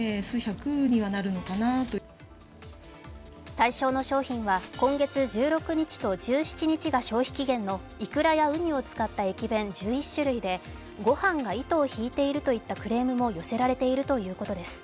対象の商品は、今月１６日と１７日が消費期限のいくらやうにを使った駅弁１１種類でごはんが糸を引いているといったクレームも寄せられているということです。